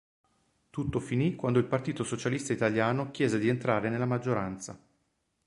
Tutto finì quando il Partito Socialista Italiano chiese di entrare nella maggioranza.